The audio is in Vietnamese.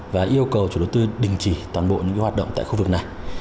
và yêu cầu chủ đầu tư đình chỉ toàn bộ những hoạt động tại khu vực này